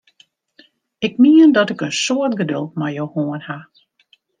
Ik mien dat ik in soad geduld mei jo hân ha!